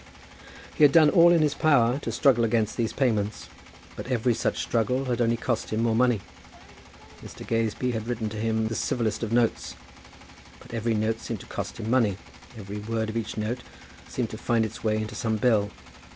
He had done all in his power to struggle against these payments, but every such struggle had only cost him more money. Mr. Gazebee had written to him the civilest notes; but every note seemed to cost him money, every word of each note seemed to find its way into some bill.